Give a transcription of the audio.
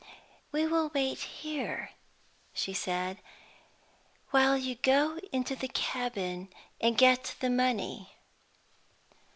"We will wait here," she said, "while you go into the cabin and get the money."